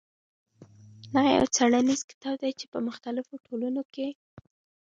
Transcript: دغه يو څېړنيز کتاب دى چې په مختلفو ټولنو کې.